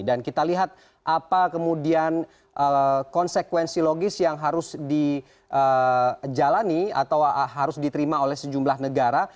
dan kita lihat apa kemudian konsekuensi logis yang harus dijalani atau harus diterima oleh sejumlah negara